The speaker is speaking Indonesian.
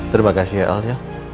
terima kasih ya al ya